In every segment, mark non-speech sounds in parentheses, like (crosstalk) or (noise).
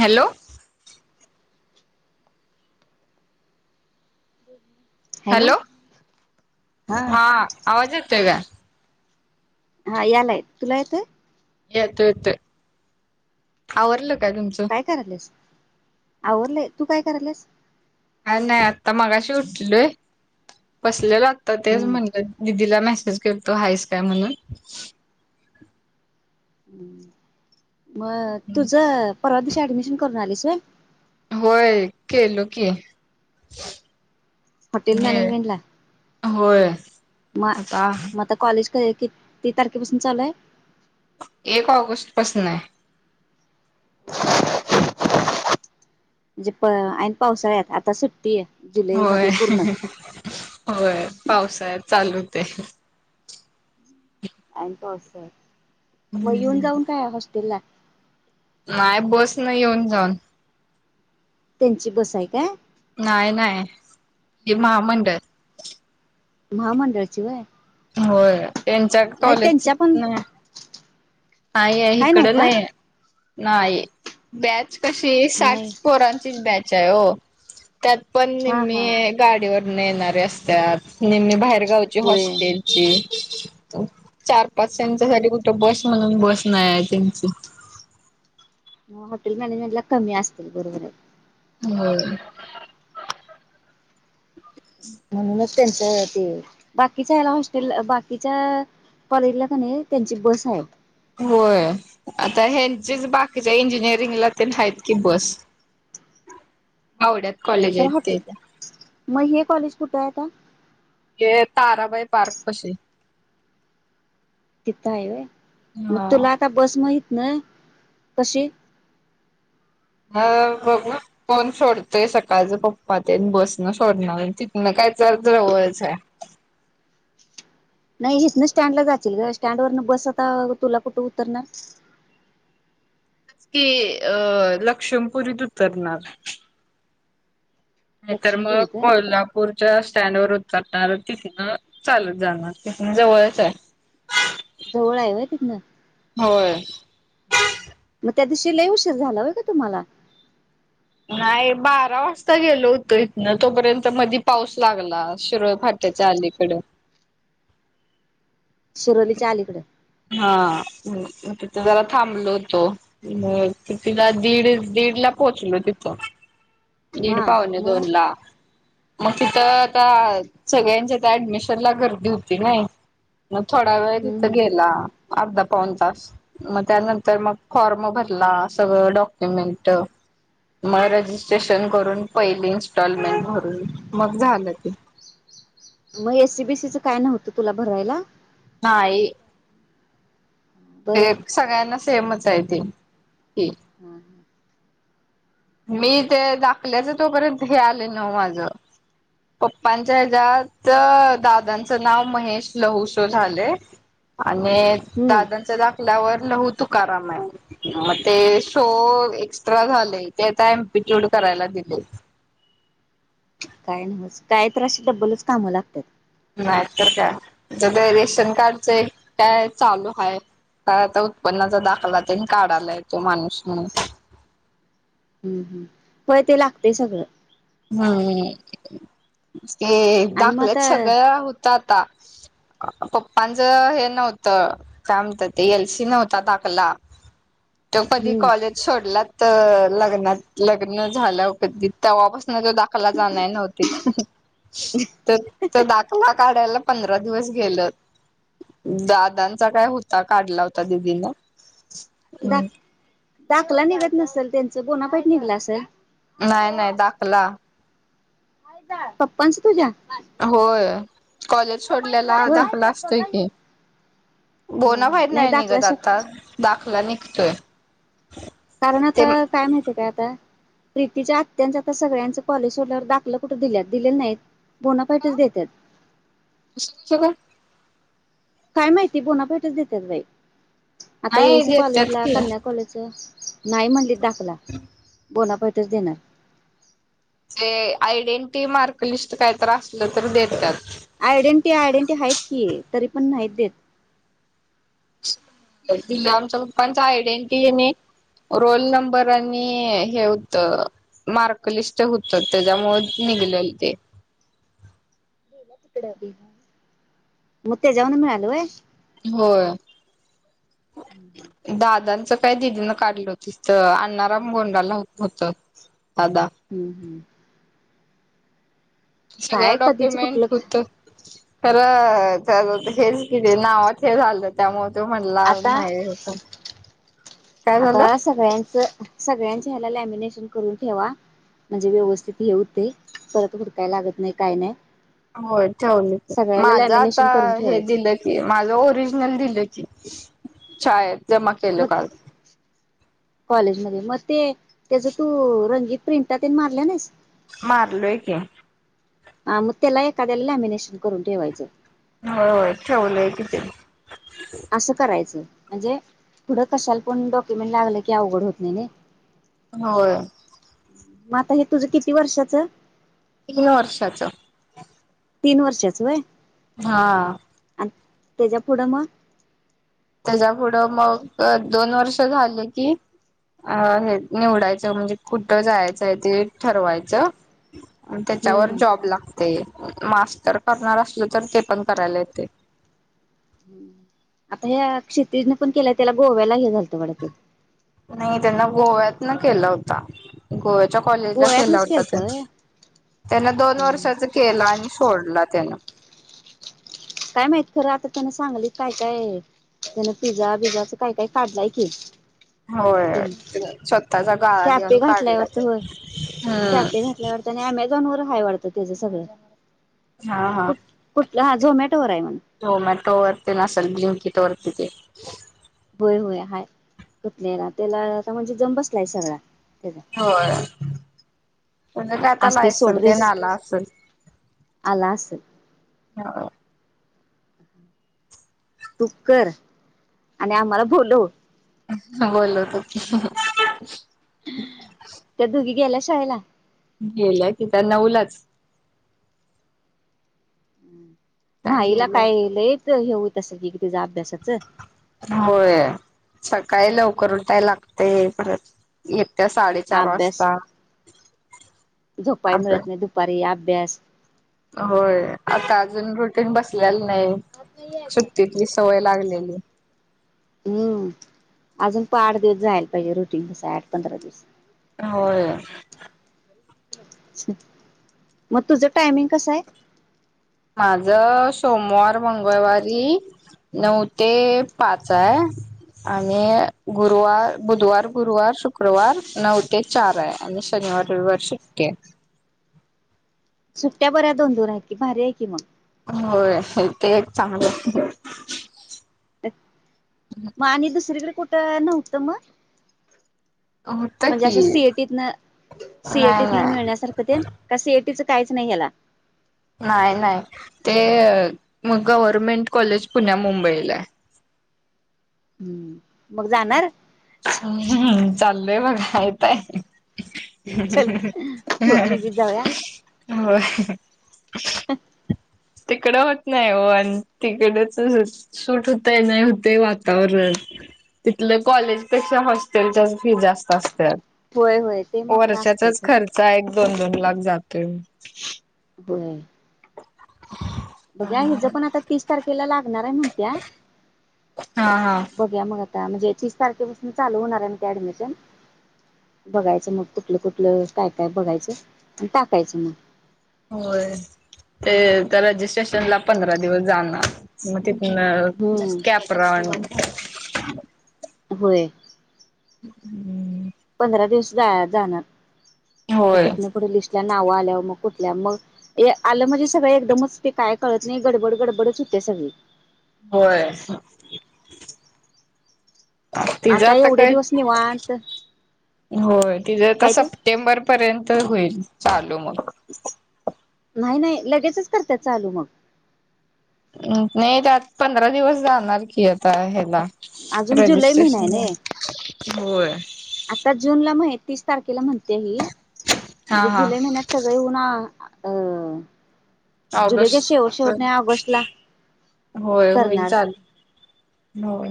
Hello! (inaudible) Hello हा आवाज येतोय का? हा यालाय, तुला येतोय? येतोय येतोय, आवरलं का तुमचं? आवरले, तू काय करायलीयास? काय नाय आता मगाशी उटलोय बसलेलो आता, तेच हम्म म्हणलं दिदीला मेसेज करतो हायच काय म्हणून. मग तुझ परवा दिशी ऍडमिशन करून आलीस होय? होय केलो की. हॉटेल ये मॅनेजमेंट ला, होय आता म आता कॉलेज कधी किती तारखेपासून चालूय? एक ऑगस्ट पासून आहे. म्हणजे प आणिन पावसाळ्यात आता सुट्टी आहे. जुलै होय मध्ये पूर्ण होय पावसात चालू होतय. ऐन पावसाळ्यात, मग येऊन जाऊन काय हॉस्टेल ला? (inaudible) नाही बस न येऊन जाऊन. (inaudible) त्यांची बस आहे का? (inaudible) नाही नाही ह महामंडळ. (inaudible) महामंडळाचीि वय (inaudible) होय त्यांच्या कॉलेज पण नाही. (inaudible) नाही आहे हाय नव्ह इकडं का नाही नाही बच (inaudible) कशी नाही साठ परांचीच बॅच आहे हो त्यात हा हा पणी गाडीवर येणारे असतात नेममी बाहेरगावची होय हॉस्टेलची (inaudible) चार पाच त्यांच्यासाठी कुठ बस म्हणून बस नाही आहे त्यांची. हॉटेल मॅनेजमेंट ला कमी असतील बरोबर आहे. होय. म्हणूनच त्यांच ते बाकीच्या याला हॉस्टेल बाकीच्या कॉलेजला का नाही त्यांची बस आहे. होय, आता हे जच बाकीच्या इंजिनिअरिंगला ते आहेत की बस. ह (unintelligible) हो तर हॉटे म हे कॉलेज कुठे आहे आता? हे ताराबाई पार्क पाशी. तिथं आहे वय मग तुला आता बस मही नाय कशी. हा बघू कोण सोडतोय सकाळच पप्पा ते बसन सोडणार तिथनं काय वि चरत्रयचे (unintelligible) नाही हिथन स्टँडला जाचिल ग स्टँड वरन बस आता अ तुला कुठे उतरणार? की अ लक्ष्मपुरीत उतरणार. नाही तर मग दक्षिणपुरीत व्हय कोल्हापूरच्या स्टँड वर उचालणार तिथन चालत जाणार तिथून जवळच आहे. जवळ आये वय तीतन. होय. हम्म हं म त्या दिवशी लय उशीर झाला होय ग का तुम्हाला? नाही बारा वाजता गेलो होत इथन तोपर्यंत मदि पाऊस लागला शिर फाट त्याच्या अलीकड. शिरोली आलीकडं हा म म तिथ जरा थांबलो होतो. म तिला दीड दिड ला पोचलो तिथं दिड हा पावणे मग दोन ला. मग तिथं त्या सगळ्यांच्या त्या ऍडमिशन ला गर्दी होती नाही. मग थोडा वेळ तिथं हम्म गेला अर्धा पाऊन तास मग त्यानंतर मग फॉर्म भरला सगळं डॉक्युमेंट म रजिस्ट्रेशन करून पहिले. टॉलमेंट भरून मग झालं ते. मग एसीबीसीच काय नव्हतं तुला भरायला. हा, ये. हे बरं एक सगळ्यांना सेमच आहे ते. हम् हम. मी ते दाखल्याच तोपर्यंत हे आले ना माझ. पप्पांच्या हच्यात दादांचं नाव महेश लहुशो झाले. आणि हम्म दादांच्या दाकल्यावर? लहू तुकाराम आहे. मग ते सो एक्स्ट्रा झाले. ते आता एमपिट्यूड करायला दिले. काय न काय त्रासे डब्बलच कामं लागतात. काय तर का म्हणे ते रेशन कार्डच काय चालू हाय. काय आता उत्पन्नाचा दाखला त्यानी काढ आलाय तो माणूस म्हणून. हम्म हम्म हॊय ते लागतेय सगळं. हम्म. ये आणि मग दाखल्यात आता सगळं होत आता. पप्पांचं हे नव्हतं काय म्हणत ते एल सी नव्हता दाकला. (unintelligible) त कधी हम्म कॉलेज सोडलात लग्नात लग्न झालं कधी तेव्हा पास माझा दाखला जानाय नव्हतीत त त दाखला काढायला पंधरा दिवस गेलत. दादांचा काय होता काढला होता दिदीन दाख हम्म. दाखला निघत नसेल त्यांचं बोनाफाईट निघला असल. नाही नाही दाखला पप्पांच तुझ्या. होय कॉलेज सोडलेला होय दाखला असतोय की. हा हा बोणाफाईट नाही दाखला निघत श आता दाखला निघतोय. कारण आता ते काय माहितीय काय आता. प्रीतीच्या अत्यांच आता सगळ्यांच कॉलेज सोडल्यावर दाखलं कुठे दिल्या दिलेल नाहीत. बोनाफाईटच देतात. काय माहिती बोनाफाईटच देतात बाई आता ए नाही एसी देतात कॉलेजला की कन्या कॉलेज नाही म्हणली दाखला बोनाफाईटच देणार. ते आयडेंटिटी मार्कलिस्ट काहीत असलं तर देतात. आयडेंटी आयडेंटी आहेत की तरी पण नाहीत देत. आमचा पप्पांच आयडेंटिटी हे मी. रोल नंबर आणि हे होत मार्कलिस्ट होत त्याच्यामुळे मीळल ते. मग त्याच्यावरन मिळाल होय. होय व्हय दादा काय दिदीनं काढलं तीच, अण्णा राम गोंडाला होत. हम्म हम्म. सगळं काय कधीच डॉक्युमेंट कुठलं होत. तर त्या हेच क नावात हे झालं त्यामुळे तो म्हणला आता नाही व्हयच काय झालं. सगळ्यांचे ह्याला लॅमिनेशन करून ठेवा. म्हणजे व्यवस्थित ठेऊ ते परत हुडकाय लागत नाही काय नाही. होय ठेवलं सगळ्याला माझं आता लॅमिनेशन करून हे ठेवायचं दिलं की माझ होत ओरिजल दिलं की शाळेत जमा केलं काल. कॉलेज मध्ये म ते त्याच तू रंगीत प्रिंटा ते मारल्या नाहीस. मारलोय की. ह मग त्याला एखाद्याला लॅमिनेशन करून ठेवायचं. हो हो ठवलंय कि ते. असं करायचं म्हणजे पुढं कशाला पण डॉक्युमेंट लागलं की अवघड होत नाही नइ. होय. मग आता हे तुझं किती वर्षाचं. तीन वर्षाच. तीन वर्षाच व्हय. हा. त्याच्या पुढं म. त्याच्या पुढं मग दोन वर्ष झाले की? अ हे निवडायचं म्हणजे कुठं जायचंय ते ठरवायचं. हम्म त्याच्यावर हम्म जॉब लागते. मास्टर करणार अशील तर ते पण करायला येते. आता ह्या क्षितिज ने पण केल्या त्याला गोव्याला हे झालतं वाडत. नाही त्यांना गोव्यात न केलं होत गोव्याच्या कॉलेजला गोव्यातनच खेलावडत ते केलतं व्हय त्यांना दोन वर्षाच केला आणि सोडला त्यानं काय माहित खरं आता त्यांना सांगली काय काय त्यान पिझ्झा बिझ्झा असं काही काही काढलंय की होय त्यानं स्वतः चा कॅफे घातल्याय वाटतं हो कॅफे हम्म घातल्या वाटत आणि अमेझॉन वर काय वाटतं त्याच सगळं हा हा कुठ कुठलं हा झोमॅटोवर हायम्हणं झोमॅटो वरती असल बिंकीट वरती ते होय होय हाय घटनेला त्याला म्हणजे जम बसलाय सगळा त्याचा होय म्हणजे काय आता लायसन तेन आलं असलं अलासं तू कर आणि आम्हाला बोलव हा बोलवतो हह त्या दुघी गेल्या शाळेला गेल्या की त्या नऊलाच त्या म्हाईला काय गेल्या लयचं हे होत असंल किग तीच अभ्यासाचं होय सकाळी लवकर उठाय लागतय परत एक अभ्यास झोपाय अभ्यास मिळत नाही दुपारी अभ्यास होय आता अजून रुटीन बसलेला नाही सुट्टीतली सवय लागली हो हम्म अजून पआठ दिवस जायला पाहिजे रुटीन बसाय आठ पंधरा दिवस हा होय मग तुझं टायमिंग कस आहे माझ सोमवार मंगळवारी नऊ ते पाच हाय आणि गुरुवार बुधवार गुरुवार शुक्रवार नऊ ते चार हाय आणि शनि रविवारी सुट्टी आहे सुट्ट्या बऱ्या दोन दोनू आहेत की भारी आहे की मग होय (inaudible) ते एक चांगलं म आणि दुसरीकड कुठं नव्हतं मग होत म्हणजे असं की सीएटीतन नाही सीएटीत न नाही मिळण्यासारखं ते का सीएटीच काहीच नाही ह्याला नाही नाही ते मग गव्हर्मेंट कॉलेज पुण्या मुंबईला आहे हम्म मग जाणार चालय बघा येताय चल हंहंहंहं तू आणि मी जाऊया हाहाहा होय ह (inaudible) तिकडं होत नाही हो आणि तिकडचस सूट होतय नाही होतय वातावरण तिथले कॉलेजपेक्षा हॉस्टेलच्याच फी जास्त असत्यात होय होय ते मात्र असतय वर्षाचाच खरं खर्चा एक दोन दोन लाख जातोय बर बघूया हिज पण आता तीस तारखेला लाग म्हणाराय म्हणत्या हा हा बघूया मग आता म्हणजे तीस तारखेपासून चालू होणार आहे म्हणत्या ऍडमिशन बघायचं मग कुठलं कुठलं काय काय बघायचं आणि टाकायचं मग होय ते त्या रजिस्ट्रेशन ला पंधरा दिवस जाणार मग ते ह (inaudible) हम्म कॅपरान होय. हम्म. पंधरा दिवस जा जाणार म होय. तिथन पुढं लिस्ट त्या नाव आल्यावर मग कुठल्या मग ते आलं म्हणजे सगळ एकदमच ते काय कळत नाही गडबड गडबडच हु तेसवी होय. तीज आता एवढे काय? दिवस निवांत होय तिज आता काय ते सप्टेंबर पर्यंत होईल चालू मग.. नाही नाही लगेचच करत्या चालू मग. ् नाही त्या आत पंधरा दिवस जाणार की आता ह्याला‌‌ अजून जुलै महिना आहे ना,, होय आता जूनला माह तीस तारखेला म्हणत्या ही, हा म्हणजे हा. जुलै महिन्यात सगळे एऊन. ऑगस्ट च, होय होईल करणार चालेल. हो.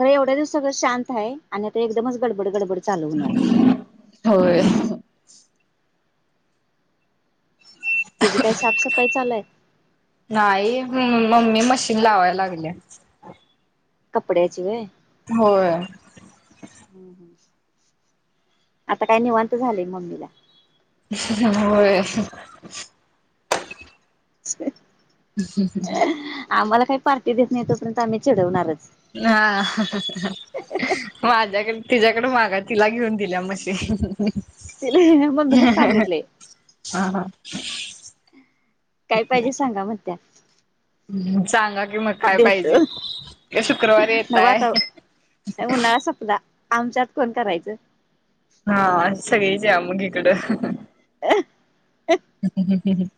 तर एवढ्या दिवस सगळं शांत आहे. आणि आता एकदमच गडबड, गडबड. चालू होणार होय. तुझी काही साफसफाई चालूय. नाही. मम्मी मशीन लावाय लागल्या. कपडेची वय हम होय. ह. ‌ आता काय निवांत झालेय मम्मीला हो. अ. ह् हम्मम. काही पार्टी देत नाही तोर्यंत आम्ही चीढवणारच. हा माझ्याकडे, तिच्या्याकडे मागा तिला घेऊन. दिला मशीन तिला हा मम्मीलाच सांगितलंय हहा हा. (inaudible) काय पाहिजे सांगा मनत्या. हम्म सांगा. कि मग काय देतो पाहिजे,,, शुक्रवारी नको येताय. आता उन्हाळा संपला आमच्यात कोण करायचं. हा सगळीच या मग इकडं.. (inaudible)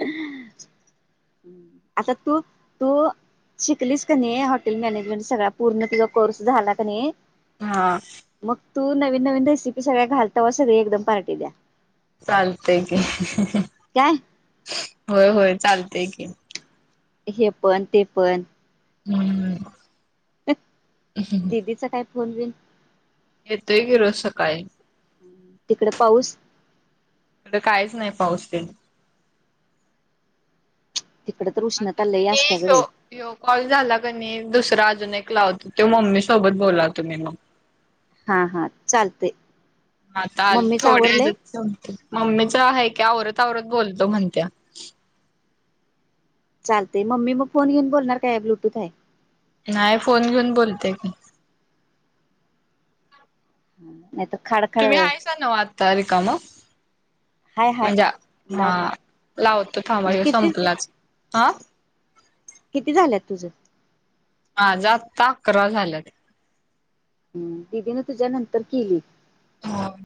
(inaudible) आता तू तू. ‌ शिकलीस क नाही हॉटेल मॅनेजमेंट सगळा पूर्ण किंवा कोर्स झाला क नाही. हा. मग तू नवीन नवीन रेसिपी सगळ्या घाल तवा एकदम सगळी पारठीी द्या. चालतय की, काय होय होय चालतय की. हे पण, ते पण हम्म ह. दिदीच काय फोनबिन. येतोय की रोज सकाळी. तिकडं पाऊस. काहीच नाही पाऊसतन. तिकड तर आता उष्णता लई असत्या ग कणी बाई हो कॉल झाला कनी दुस राजा ऐकला ते मम्मी सोबत बोलाल तो मी म. हा हा, चालतंय. हता आ थोड्या,, मम्मीच आहे की औरत. तवरत बोलतो म्हणत्या चालतय मम्मी मग फोन घेऊन बोलणार काय ब्लूटूथ हाय नाही फोन घेऊन बोलत्या की ह नाहीेतर तुम्ही हायसा नव आता रीकामं हाय हाय म्हणजे लाव हा लावतो थांबा म्हणजे हो किती संपलाच‌. आं किती झाल्यात तुझं. हा आता अकरा झाल्यात हम्म दिदीन तुझ्या नंतर केली. (inaudible)